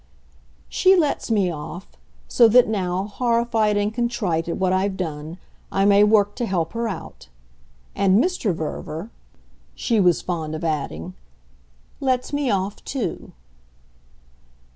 "She lets me off. So that now, horrified and contrite at what I've done, I may work to help her out. And Mr. Verver," she was fond of adding, "lets me off too."